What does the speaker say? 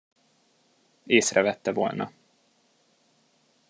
Észrevette volna.